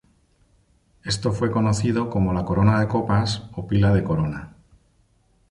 Esto fue conocido como la corona de copas o pila de corona.